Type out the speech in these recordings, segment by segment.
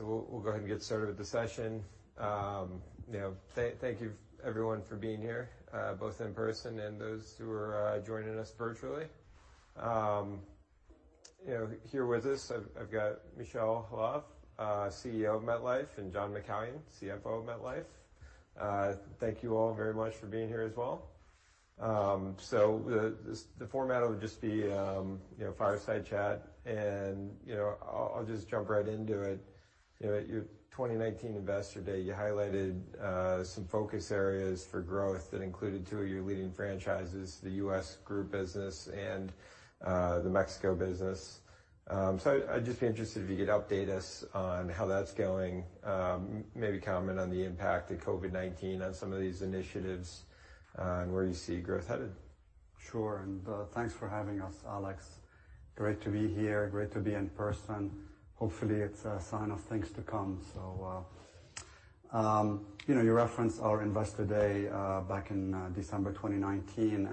We'll go ahead and get started with the session. Thank you everyone for being here, both in person and those who are joining us virtually. Here with us, I've got Michel Khalaf, CEO of MetLife, and John McCallion, CFO of MetLife. Thank you all very much for being here as well. The format will just be a fireside chat, and I'll just jump right into it. At your 2019 Investor Day, you highlighted some focus areas for growth that included two of your leading franchises, the U.S. Group business and the Mexico business. I'd just be interested if you could update us on how that's going, maybe comment on the impact of COVID-19 on some of these initiatives, and where you see growth headed. Sure, thanks for having us, Alex. Great to be here. Great to be in person. Hopefully, it's a sign of things to come. You referenced our Investor Day back in December 2019,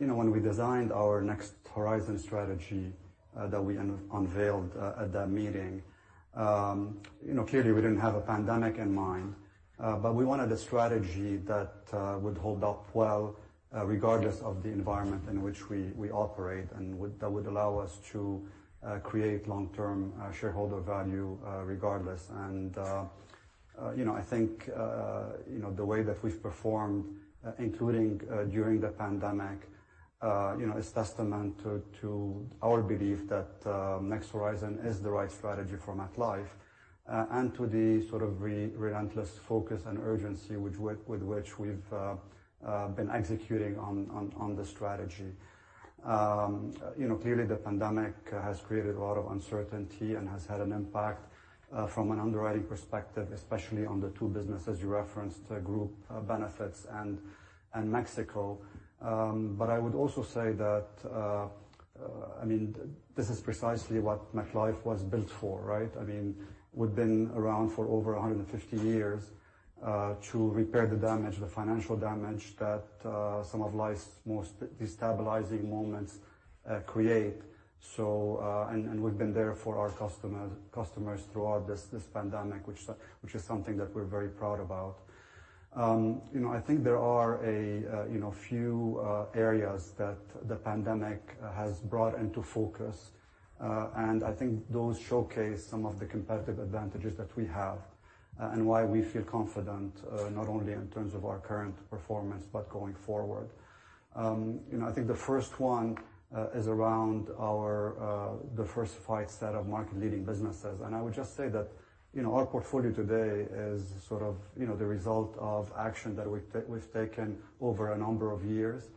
when we designed our Next Horizon strategy that we unveiled at that meeting, clearly we didn't have a pandemic in mind. We wanted a strategy that would hold up well regardless of the environment in which we operate, and that would allow us to create long-term shareholder value regardless. I think the way that we've performed, including during the pandemic, is testament to our belief that Next Horizon is the right strategy for MetLife, and to the sort of relentless focus and urgency with which we've been executing on the strategy. Clearly, the pandemic has created a lot of uncertainty and has had an impact from an underwriting perspective, especially on the two businesses you referenced, Group Benefits and Mexico. I would also say that this is precisely what MetLife was built for, right? We've been around for over 150 years to repair the damage, the financial damage that some of life's most destabilizing moments create. We've been there for our customers throughout this pandemic, which is something that we're very proud about. I think there are a few areas that the pandemic has brought into focus. I think those showcase some of the competitive advantages that we have and why we feel confident, not only in terms of our current performance, but going forward. I think the first one is around the first 5 set of market-leading businesses. I would just say that our portfolio today is sort of the result of action that we've taken over a number of years.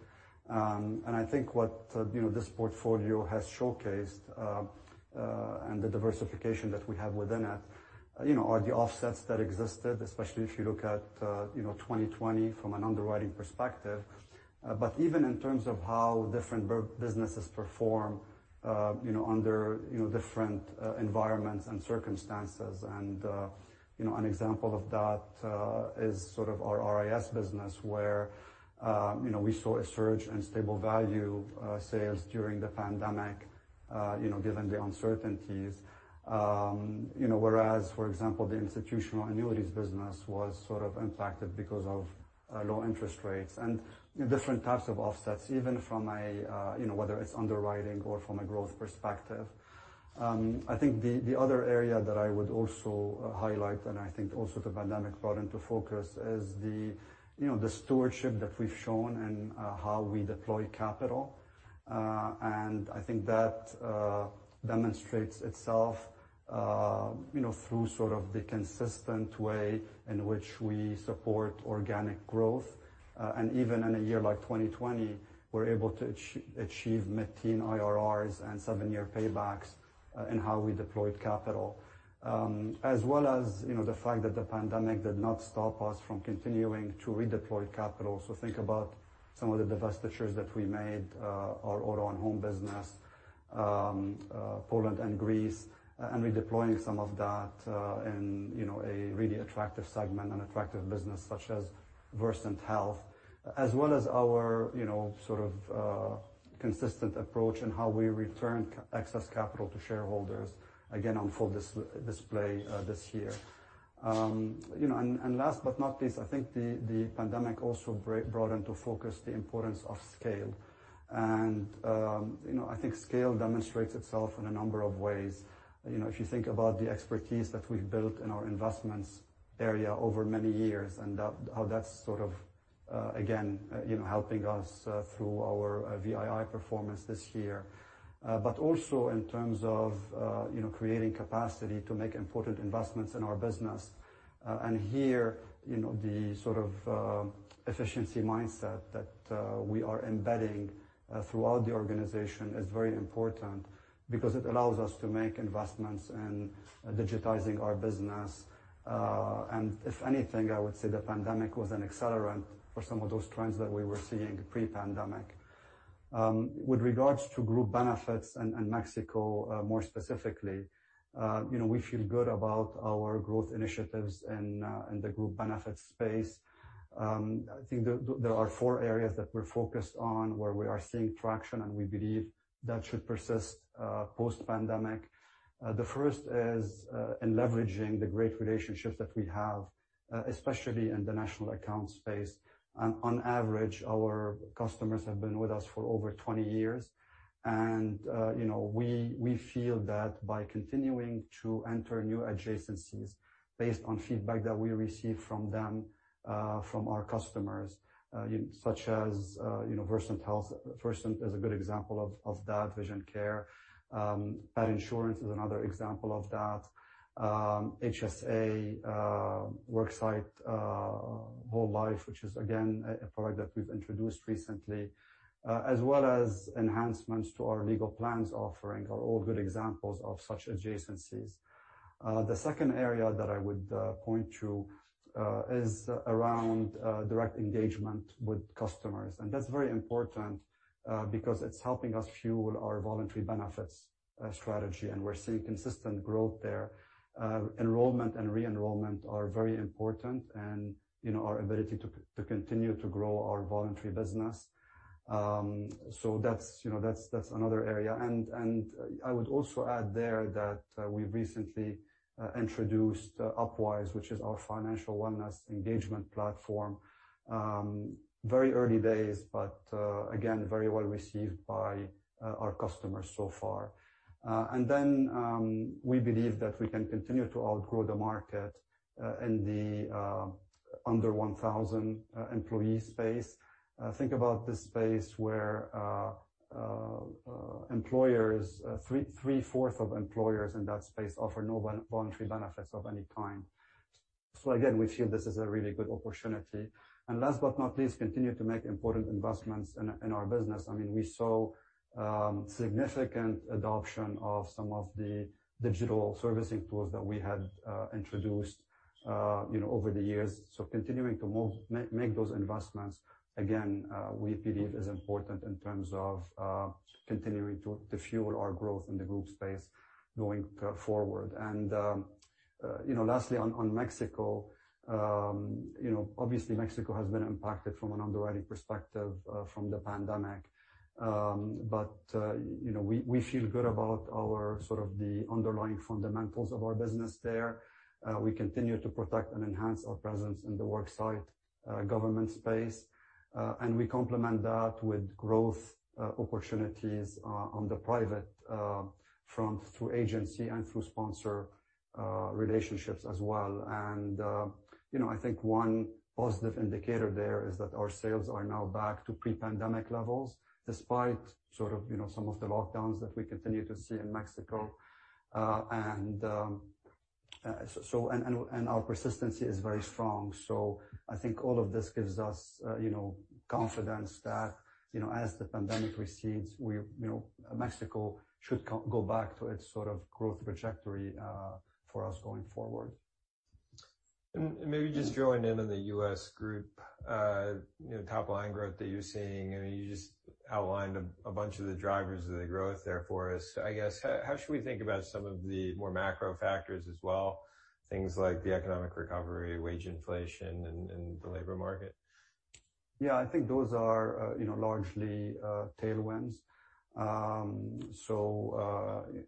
I think what this portfolio has showcased, and the diversification that we have within it, are the offsets that existed, especially if you look at 2020 from an underwriting perspective. Even in terms of how different businesses perform under different environments and circumstances. An example of that is sort of our RIS business where we saw a surge in stable value sales during the pandemic, given the uncertainties, whereas, for example, the institutional annuities business was sort of impacted because of low interest rates and different types of offsets, even from whether it's underwriting or from a growth perspective. I think the other area that I would also highlight, I think also the pandemic brought into focus, is the stewardship that we've shown and how we deploy capital. I think that demonstrates itself through the consistent way in which we support organic growth. Even in a year like 2020, we're able to achieve mid-teen IRRs and seven-year paybacks in how we deployed capital. As well as the fact that the pandemic did not stop us from continuing to redeploy capital. Think about some of the divestitures that we made, our MetLife Auto & Home business, Poland and Greece, and redeploying some of that in a really attractive segment and attractive business such as Versant Health. As well as our consistent approach in how we return excess capital to shareholders, again, on full display this year. Last but not least, I think the pandemic also brought into focus the importance of scale. I think scale demonstrates itself in a number of ways. If you think about the expertise that we've built in our investments area over many years, and how that's sort of, again, helping us through our VII performance this year. Also in terms of creating capacity to make important investments in our business. Here, the sort of efficiency mindset that we are embedding throughout the organization is very important because it allows us to make investments in digitizing our business. If anything, I would say the pandemic was an accelerant for some of those trends that we were seeing pre-pandemic. With regards to Group Benefits and Mexico more specifically, we feel good about our growth initiatives in the Group Benefits space. I think there are four areas that we're focused on where we are seeing traction and we believe that should persist post-pandemic. The first is in leveraging the great relationships that we have, especially in the national accounts space. On average, our customers have been with us for over 20 years. We feel that by continuing to enter new adjacencies based on feedback that we receive from them, from our customers, such as Versant Health. Versant is a good example of that. Vision Insurance. Pet Insurance is another example of that. HSA worksite whole life, which is again, a product that we've introduced recently, as well as enhancements to our Legal Plans offering, are all good examples of such adjacencies. The second area that I would point to is around direct engagement with customers. That's very important because it's helping us fuel our Voluntary Benefits strategy, and we're seeing consistent growth there. Enrollment and re-enrollment are very important and our ability to continue to grow our voluntary business. That's another area. I would also add there that we recently introduced Upwise, which is our financial wellness engagement platform. Very early days, but again, very well received by our customers so far. We believe that we can continue to outgrow the market in the under 1,000 employee space. Think about the space where three-fourth of employers in that space offer no Voluntary Benefits of any kind. Again, we feel this is a really good opportunity. Last but not least, continue to make important investments in our business. We saw significant adoption of some of the digital servicing tools that we had introduced over the years. Continuing to make those investments, again, we believe is important in terms of continuing to fuel our growth in the group space going forward. Lastly, on Mexico, obviously Mexico has been impacted from an underwriting perspective from the pandemic. We feel good about the underlying fundamentals of our business there. We continue to protect and enhance our presence in the work site government space. We complement that with growth opportunities on the private front through agency and through sponsor relationships as well. I think one positive indicator there is that our sales are now back to pre-pandemic levels despite some of the lockdowns that we continue to see in Mexico. Our persistency is very strong. I think all of this gives us confidence that as the pandemic recedes, Mexico should go back to its growth trajectory for us going forward. Maybe just joining in on the U.S. group, top line growth that you're seeing, and you just outlined a bunch of the drivers of the growth there for us. I guess, how should we think about some of the more macro factors as well, things like the economic recovery, wage inflation, and the labor market? Yeah, I think those are largely tailwinds. On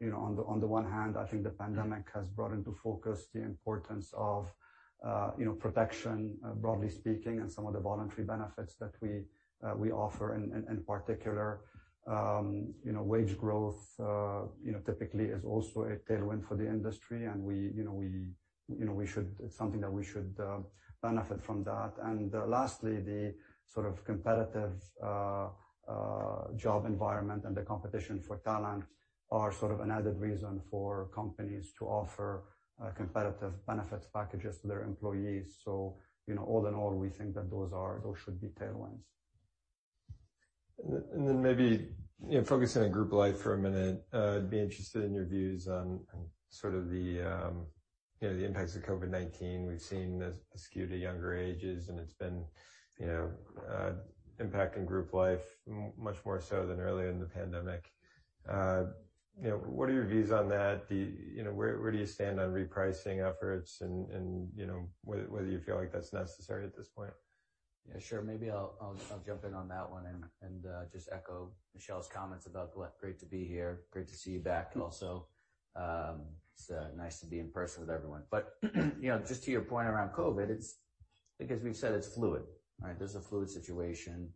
the one hand, I think the pandemic has brought into focus the importance of protection, broadly speaking, and some of the Voluntary Benefits that we offer. In particular, wage growth, typically is also a tailwind for the industry, and it's something that we should benefit from that. Lastly, the competitive job environment and the competition for talent are an added reason for companies to offer competitive benefits packages to their employees. All in all, we think that those should be tailwinds. Maybe, focusing on Group Life for a minute, I'd be interested in your views on the impacts of COVID-19. We've seen the skew to younger ages, and it's been impacting Group Life much more so than earlier in the pandemic. What are your views on that? Where do you stand on repricing efforts and whether you feel like that's necessary at this point? Yeah, sure. Maybe I'll jump in on that one and just echo Michel's comments about great to be here. Great to see you back also. It's nice to be in person with everyone. Just to your point around COVID, as we've said, it's fluid. There's a fluid situation.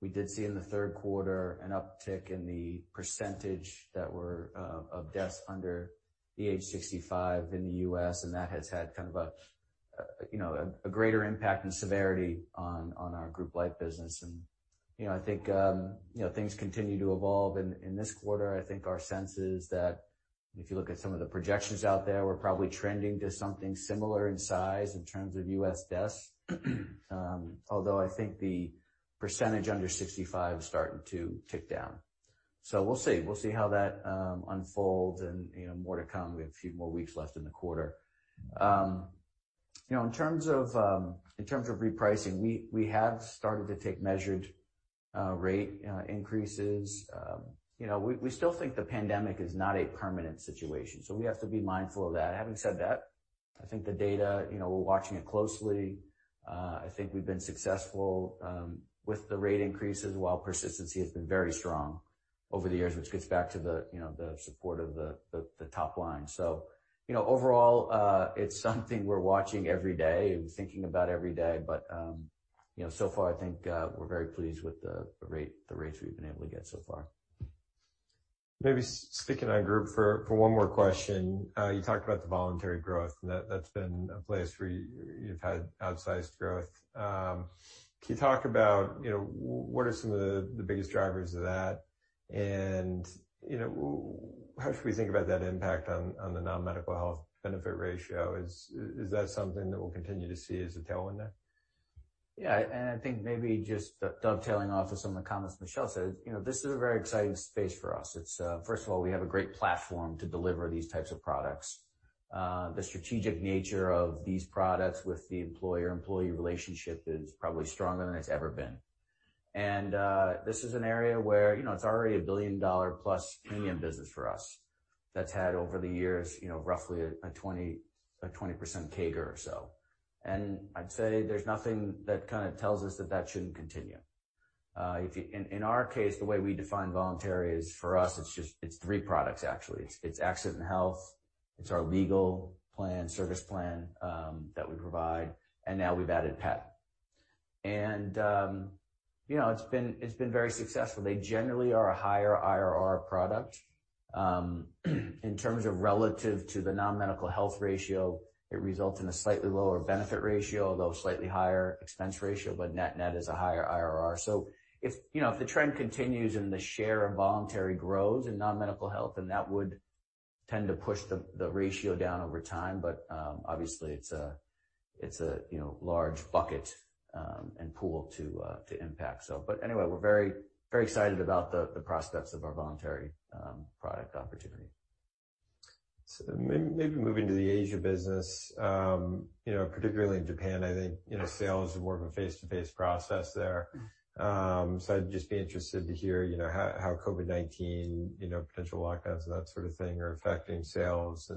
We did see in the third quarter an uptick in the percentage of deaths under the age 65 in the U.S., and that has had kind of a greater impact and severity on our Group Life business. I think things continue to evolve. In this quarter, I think our sense is that if you look at some of the projections out there, we're probably trending to something similar in size in terms of U.S. deaths. Although I think the percentage under 65 is starting to tick down. We'll see. We'll see how that unfolds and more to come. We have a few more weeks left in the quarter. In terms of repricing, we have started to take measured rate increases. We still think the pandemic is not a permanent situation, so we have to be mindful of that. Having said that, I think the data, we're watching it closely. I think we've been successful with the rate increases, while persistency has been very strong over the years, which gets back to the support of the top line. Overall, it's something we're watching every day and thinking about every day. So far, I think we're very pleased with the rates we've been able to get so far. Maybe sticking to that group for one more question. You talked about the voluntary growth, and that's been a place where you've had outsized growth. Can you talk about what are some of the biggest drivers of that? How should we think about that impact on the non-medical health benefit ratio? Is that something that we'll continue to see as a tailwind there? Yeah, I think maybe just dovetailing off of some of the comments Michel said, this is a very exciting space for us. First of all, we have a great platform to deliver these types of products. The strategic nature of these products with the employer-employee relationship is probably stronger than it's ever been. This is an area where it's already a billion-dollar-plus premium business for us that's had over the years roughly a 20% CAGR or so. I'd say there's nothing that kind of tells us that shouldn't continue. In our case, the way we define voluntary is, for us, it's three products actually. It's Accident & Health, it's our Legal Plans, service plan that we provide, and now we've added Pet. It's been very successful. They generally are a higher IRR product. In terms of relative to the non-medical health ratio, it results in a slightly lower benefit ratio, although a slightly higher expense ratio, net is a higher IRR. If the trend continues and the share of voluntary grows in non-medical health, then that would tend to push the ratio down over time. Obviously it's a large bucket and pool to impact. Anyway, we're very excited about the prospects of our voluntary product opportunity. Maybe moving to the Asia business. Particularly in Japan, I think, sales is more of a face-to-face process there. I'd just be interested to hear how COVID-19, potential lockdowns, and that sort of thing are affecting sales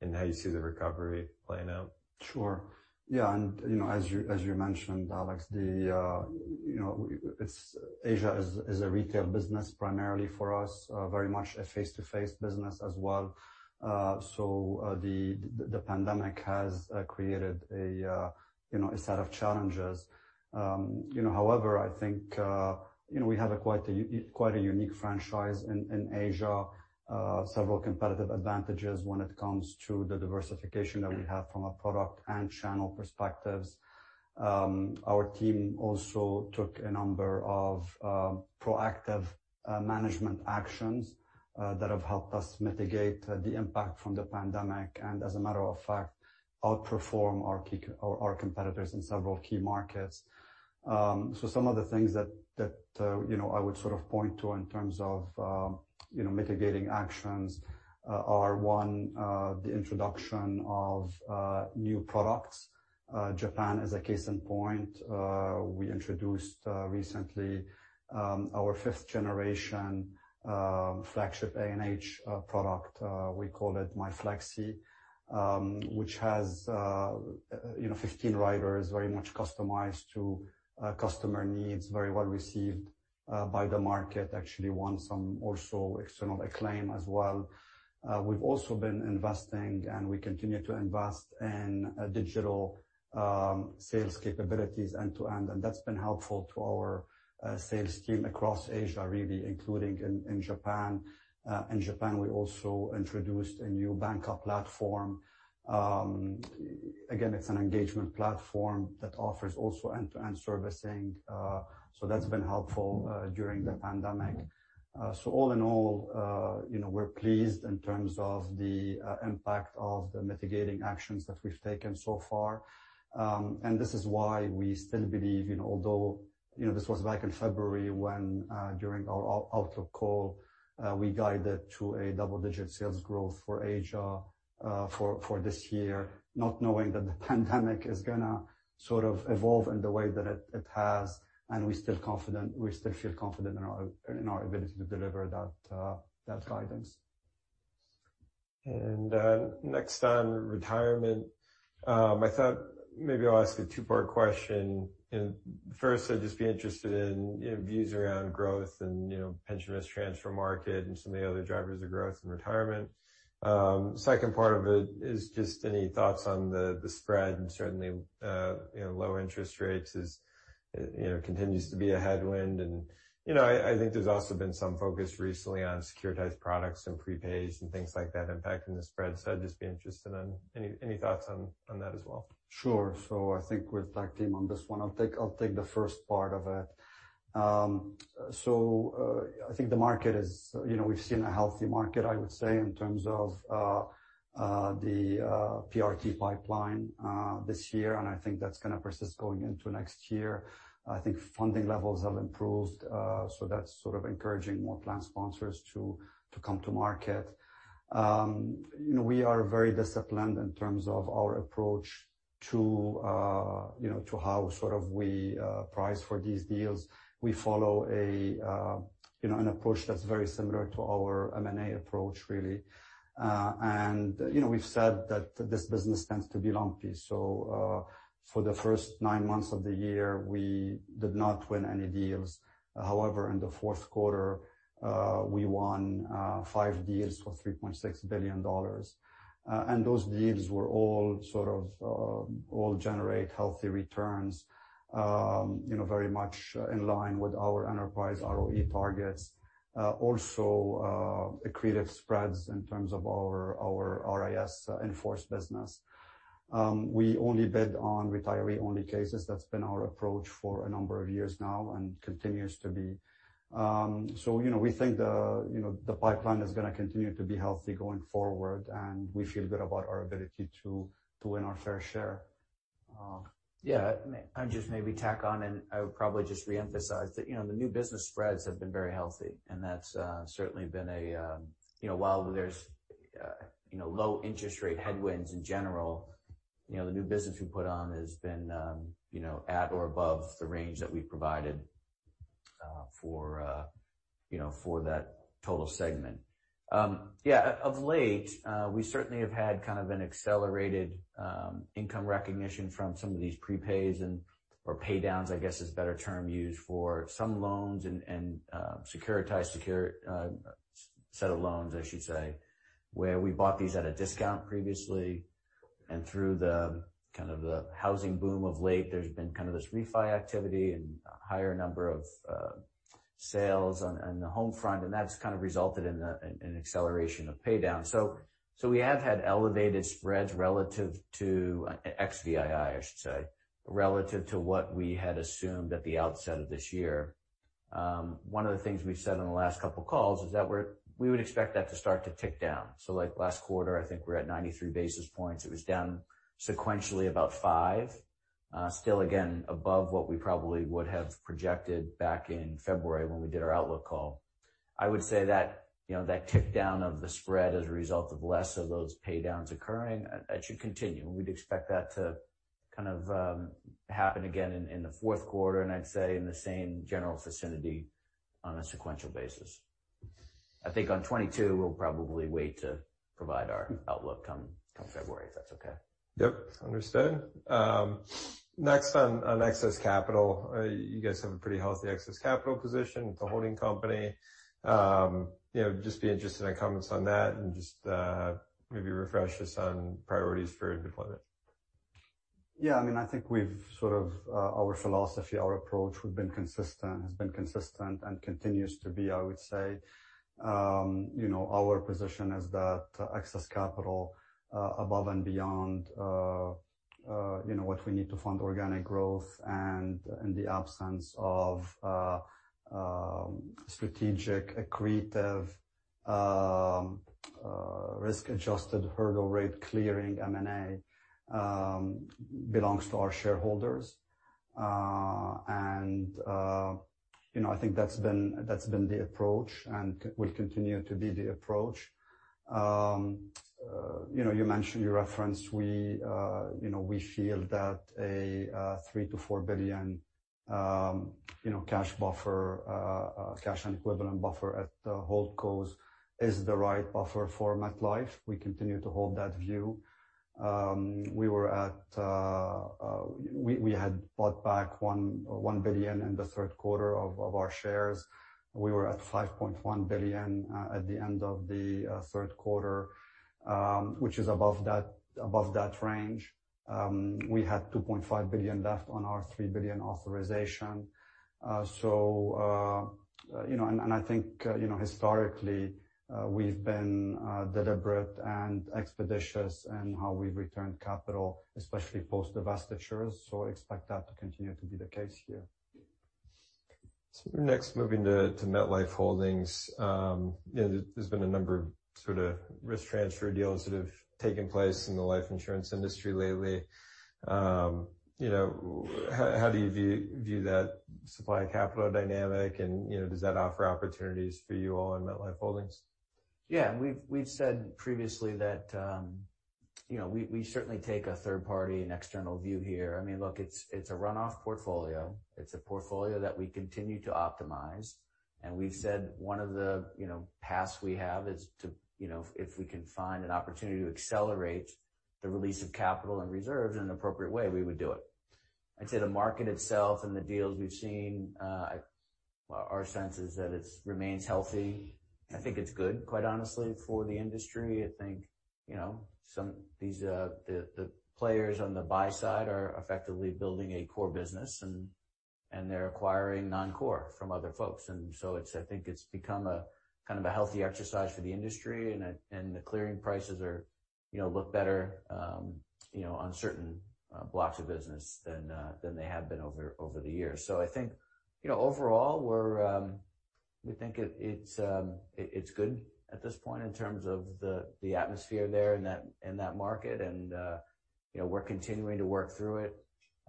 and how you see the recovery playing out. Sure. As you mentioned, Alex, Asia is a retail business primarily for us, very much a face-to-face business as well. The pandemic has created a set of challenges. However, I think we have quite a unique franchise in Asia, several competitive advantages when it comes to the diversification that we have from a product and channel perspectives. Our team also took a number of proactive management actions that have helped us mitigate the impact from the pandemic, and as a matter of fact, outperform our competitors in several key markets. Some of the things that I would sort of point to in terms of mitigating actions are, one, the introduction of new products. Japan is a case in point. We introduced recently our fifth generation flagship A&H product. We call it MyFlexi, which has 15 riders, very much customized to customer needs. Very well received by the market. Actually won some also external acclaim as well. We've also been investing, and we continue to invest in digital sales capabilities end-to-end, that's been helpful to our sales team across Asia, really, including in Japan. In Japan, we also introduced a new banker platform. Again, it's an engagement platform that offers also end-to-end servicing. That's been helpful during the pandemic. All in all, we're pleased in terms of the impact of the mitigating actions that we've taken so far. This is why we still believe, although this was back in February when, during our outlook call, we guided to a double-digit sales growth for Asia for this year, not knowing that the pandemic is going to sort of evolve in the way that it has, and we're still confident. We still feel confident in our ability to deliver that guidance. Next on retirement. I thought maybe I'll ask a two-part question. First, I'd just be interested in views around growth and pension risk transfer market and some of the other drivers of growth in retirement. Second part of it is just any thoughts on the spread. Certainly low interest rates continues to be a headwind. I think there's also been some focus recently on securitized products and prepays and things like that impacting the spread. I'd just be interested in any thoughts on that as well. Sure. I think we're tagged team on this one. I'll take the first part of it. I think the market, we've seen a healthy market, I would say, in terms of the PRT pipeline this year, and I think that's going to persist going into next year. I think funding levels have improved. That's sort of encouraging more plan sponsors to come to market. We are very disciplined in terms of our approach to how we price for these deals. We follow an approach that's very similar to our M&A approach, really. We've said that this business tends to be lumpy. For the first 9 months of the year, we did not win any deals. However, in the fourth quarter, we won 5 deals for $3.6 billion. Those deals all generate healthy returns, very much in line with our enterprise ROE targets. Also, accretive spreads in terms of our RIS in-force business. We only bid on retiree-only cases. That's been our approach for a number of years now and continues to be. We think the pipeline is going to continue to be healthy going forward, and we feel good about our ability to win our fair share. Yeah. I'll just maybe tack on. I would probably just reemphasize that the new business spreads have been very healthy. While there's low interest rate headwinds in general, the new business we put on has been at or above the range that we provided for that total segment. Of late, we certainly have had kind of an accelerated income recognition from some of these prepays and, or paydowns, I guess, is a better term used for some loans and securitized set of loans, I should say, where we bought these at a discount previously. Through the housing boom of late, there's been this refi activity and a higher number of sales on the home front, and that's resulted in an acceleration of paydown. We have had elevated spreads relative to ex-VII, I should say, relative to what we had assumed at the outset of this year. One of the things we have said on the last couple of calls is that we would expect that to start to tick down. Last quarter, I think we are at 93 basis points. It was down sequentially about five. Still, again, above what we probably would have projected back in February when we did our outlook call. I would say that tick down of the spread as a result of less of those paydowns occurring, that should continue, and we would expect that to happen again in the fourth quarter, and I would say in the same general vicinity on a sequential basis. I think on 2022, we will probably wait to provide our outlook come February, if that is okay. Yes. Understood. Next on excess capital. You guys have a pretty healthy excess capital position with the holding company. I would just be interested in your comments on that and just maybe refresh us on priorities for deployment. I think our philosophy, our approach, has been consistent and continues to be, I would say. Our position is that excess capital above and beyond what we need to fund organic growth and in the absence of strategic, accretive, risk-adjusted hurdle rate clearing M&A belongs to our shareholders. I think that has been the approach and will continue to be the approach. You referenced we feel that a $3 billion-$4 billion cash and equivalent buffer at the holdcos is the right buffer for MetLife. We continue to hold that view. We had bought back $1 billion in the third quarter of our shares. We were at $5.1 billion at the end of the third quarter, which is above that range. We had $2.5 billion left on our $3 billion authorization. I think historically, we have been deliberate and expeditious in how we have returned capital, especially post-divestitures. Expect that to continue to be the case here. Next, moving to MetLife Holdings. There's been a number of risk transfer deals that have taken place in the life insurance industry lately. How do you view that supply capital dynamic, and does that offer opportunities for you all in MetLife Holdings? Yeah. We've said previously that we certainly take a third-party and external view here. Look, it's a runoff portfolio. It's a portfolio that we continue to optimize, and we've said one of the paths we have is if we can find an opportunity to accelerate the release of capital and reserves in an appropriate way, we would do it. I'd say the market itself and the deals we've seen, our sense is that it remains healthy. I think it's good, quite honestly, for the industry. I think the players on the buy side are effectively building a core business, and they're acquiring non-core from other folks. I think it's become a kind of a healthy exercise for the industry, and the clearing prices look better on certain blocks of business than they have been over the years. I think overall, we think it's good at this point in terms of the atmosphere there in that market, and we're continuing to work through it.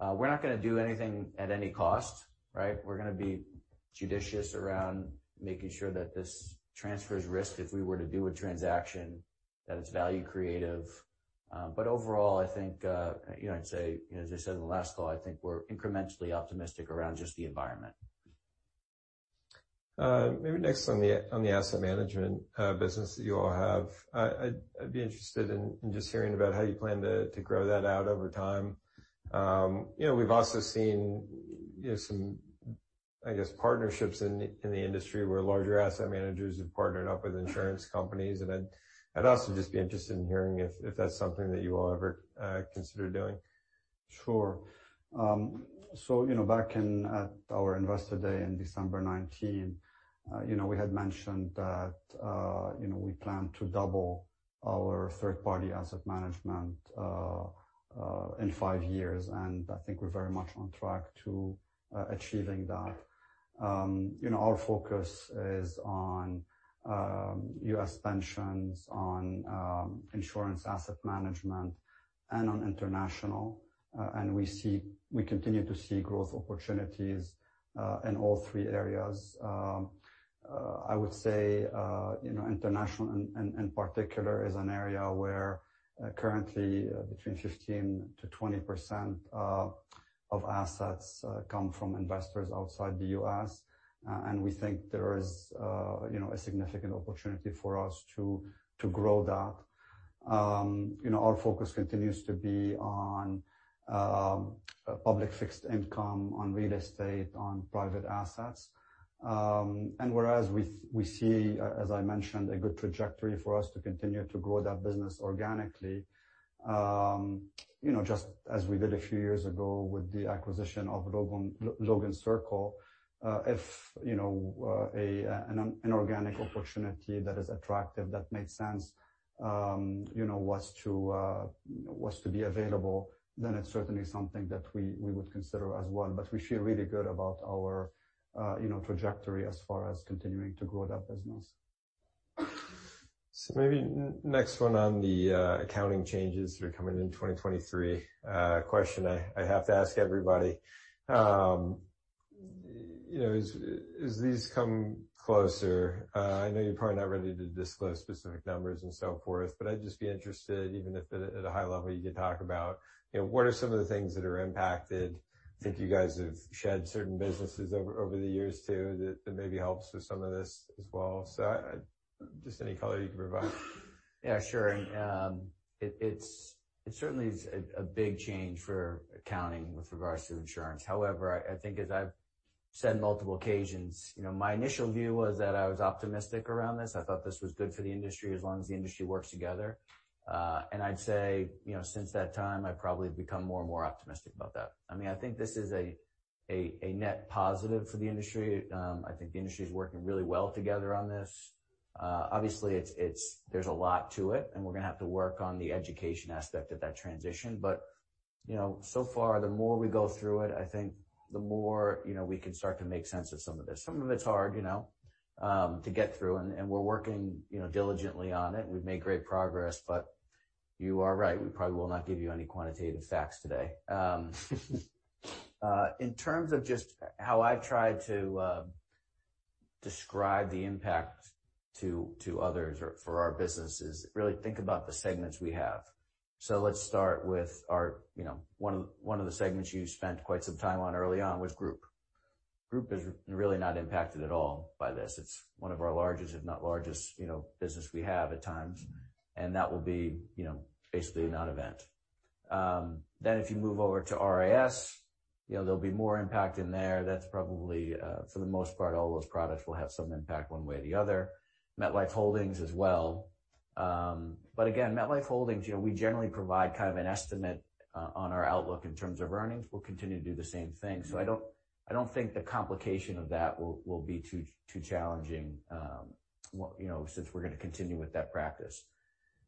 We're not going to do anything at any cost, right? We're going to be judicious around making sure that this transfers risk if we were to do a transaction, that it's value creative. Overall, I think, as I said in the last call, I think we're incrementally optimistic around just the environment. Maybe next on the asset management business that you all have, I'd be interested in just hearing about how you plan to grow that out over time. We've also seen some, I guess, partnerships in the industry where larger asset managers have partnered up with insurance companies, and I'd also just be interested in hearing if that's something that you all ever consider doing. Sure. Back in our Investor Day in December 2019, we had mentioned that we plan to double our third-party asset management in five years, and I think we're very much on track to achieving that. Our focus is on U.S. pensions, on insurance asset management, and on international. We continue to see growth opportunities, in all three areas. I would say, international, in particular, is an area where currently between 15%-20% of assets come from investors outside the U.S. We think there is a significant opportunity for us to grow that. Our focus continues to be on public fixed income, on real estate, on private assets. Whereas we see, as I mentioned, a good trajectory for us to continue to grow that business organically, just as we did a few years ago with the acquisition of Logan Circle. If an inorganic opportunity that is attractive, that made sense was to be available, then it's certainly something that we would consider as well. We feel really good about our trajectory as far as continuing to grow that business. Maybe next one on the accounting changes that are coming in 2023. A question I have to ask everybody. As these come closer, I know you're probably not ready to disclose specific numbers and so forth, I'd just be interested, even if at a high level, you could talk about what are some of the things that are impacted. I think you guys have shed certain businesses over the years too that maybe helps with some of this as well. Just any color you can provide. Yeah, sure. It certainly is a big change for accounting with regards to insurance. However, I think as I've said on multiple occasions, my initial view was that I was optimistic around this. I thought this was good for the industry as long as the industry works together. I'd say, since that time, I've probably become more and more optimistic about that. I think this is a net positive for the industry. I think the industry's working really well together on this. Obviously, there's a lot to it, and we're going to have to work on the education aspect of that transition. So far, the more we go through it, I think the more we can start to make sense of some of this. Some of it's hard to get through, and we're working diligently on it, and we've made great progress, but you are right. We probably will not give you any quantitative facts today. In terms of just how I've tried to describe the impact to others or for our businesses, really think about the segments we have. Let's start with one of the segments you spent quite some time on early on was Group. Group is really not impacted at all by this. It's one of our largest, if not largest business we have at times, and that will be basically a non-event. If you move over to RIS, there'll be more impact in there. That's probably, for the most part, all those products will have some impact one way or the other. MetLife Holdings as well. Again, MetLife Holdings, we generally provide kind of an estimate on our outlook in terms of earnings. We'll continue to do the same thing. I don't think the complication of that will be too challenging since we're going to continue with that practice.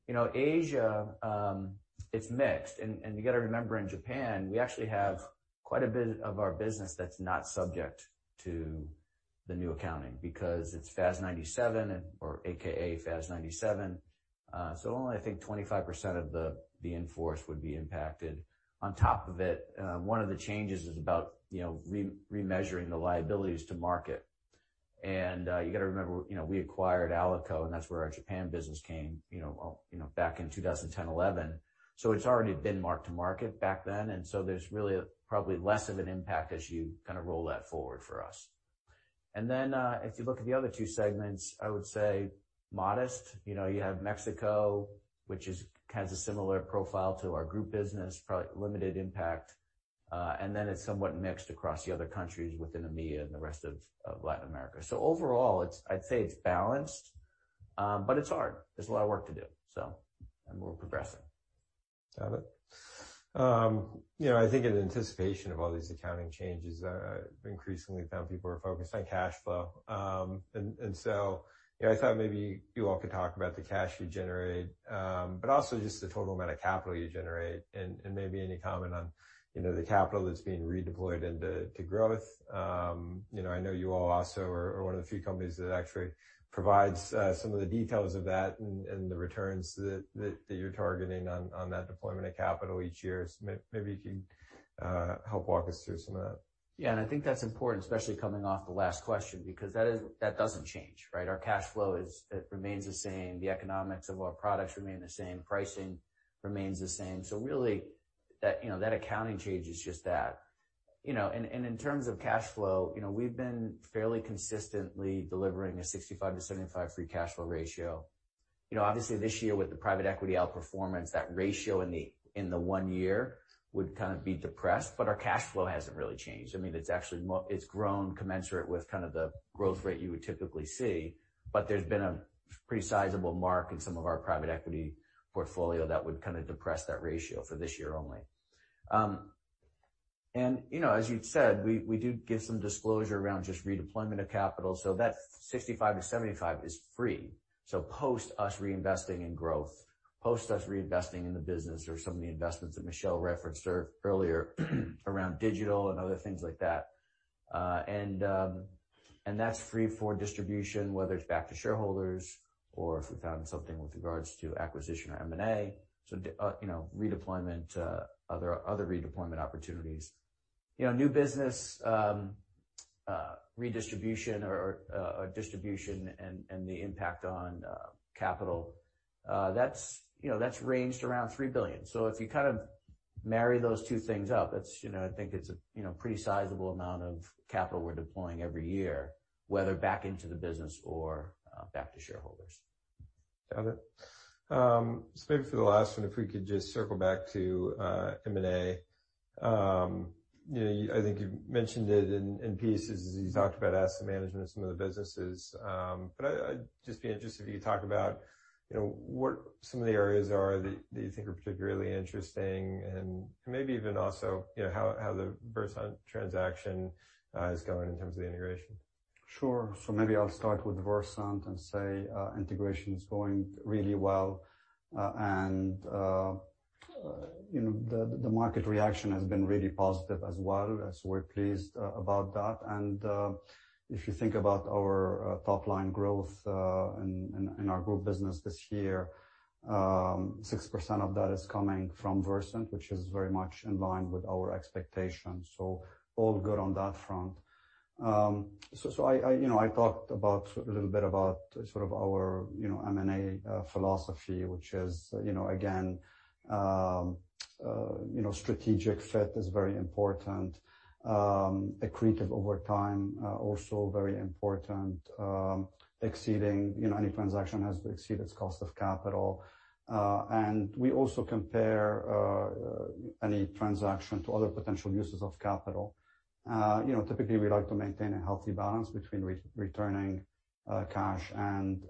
Asia, it's mixed. You got to remember, in Japan, we actually have quite a bit of our business that's not subject to the new accounting because it's FAS 97 or AKA FAS 97. Only, I think 25% of the in-force would be impacted. On top of it, one of the changes is about remeasuring the liabilities to market. You got to remember, we acquired Alico, and that's where our Japan business came back in 2010, 2011. It's already been marked to market back then, there's really probably less of an impact as you kind of roll that forward for us. Then, if you look at the other two segments, I would say modest. You have Mexico, which has a similar profile to our group business, probably limited impact. Then it's somewhat mixed across the other countries within EMEA and the rest of Latin America. Overall, I'd say it's balanced. It's hard. There's a lot of work to do, and we're progressing. Got it. I think in anticipation of all these accounting changes, I increasingly found people are focused on cash flow. I thought maybe you all could talk about the cash you generate, but also just the total amount of capital you generate and maybe any comment on the capital that's being redeployed into growth. I know you all also are one of the few companies that actually provides some of the details of that and the returns that you're targeting on that deployment of capital each year. Maybe you can help walk us through some of that. I think that's important, especially coming off the last question, because that doesn't change, right? Our cash flow remains the same. The economics of our products remain the same. Pricing remains the same. That accounting change is just that. In terms of cash flow, we've been fairly consistently delivering a 65%-75% free cash flow ratio. Obviously, this year with the private equity outperformance, that ratio in the one year would kind of be depressed, but our cash flow hasn't really changed. I mean, it's grown commensurate with the growth rate you would typically see, but there's been a pretty sizable mark in some of our private equity portfolio that would kind of depress that ratio for this year only. As you said, we do give some disclosure around just redeployment of capital. That 65%-75% is free, so post us reinvesting in growth, post us reinvesting in the business or some of the investments that Michel referenced earlier around digital and other things like that. That's free for distribution, whether it's back to shareholders or if we found something with regards to acquisition or M&A, so other redeployment opportunities. New business redistribution or distribution and the impact on capital, that's ranged around $3 billion. If you kind of marry those two things up, I think it's a pretty sizable amount of capital we're deploying every year, whether back into the business or back to shareholders. Got it. Maybe for the last one, if we could just circle back to M&A. I think you mentioned it in pieces as you talked about asset management and some of the businesses. I'd just be interested if you could talk about what some of the areas are that you think are particularly interesting, and maybe even also how the Versant transaction is going in terms of the integration. Sure. Maybe I'll start with Versant and say integration is going really well. The market reaction has been really positive as well, so we're pleased about that. If you think about our top-line growth in our group business this year, 6% of that is coming from Versant, which is very much in line with our expectations. All good on that front. I talked a little bit about our M&A philosophy, which is, again, strategic fit is very important. Accretive over time, also very important. Any transaction has to exceed its cost of capital. We also compare any transaction to other potential uses of capital. Typically, we like to maintain a healthy balance between returning cash and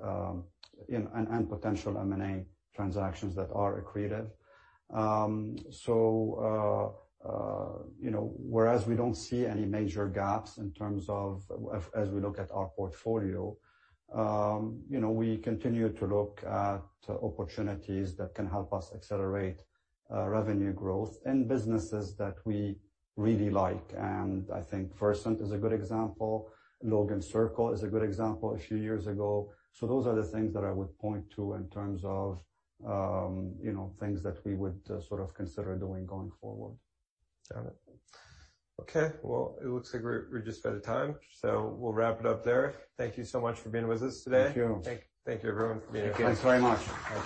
potential M&A transactions that are accretive. Whereas we don't see any major gaps as we look at our portfolio, we continue to look at opportunities that can help us accelerate revenue growth in businesses that we really like. I think Versant is a good example. Logan Circle is a good example a few years ago. Those are the things that I would point to in terms of things that we would sort of consider doing going forward. Got it. It looks like we're just out of time, we'll wrap it up there. Thank you so much for being with us today. Thank you. Thank you, everyone, for being here. Thanks very much. Thank you.